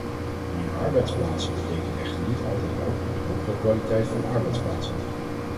Meer arbeidsplaatsen betekent echter niet altijd ook een hogere kwaliteit van arbeidsplaatsen.